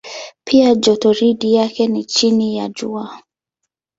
Pia jotoridi yake ni chini ya Jua.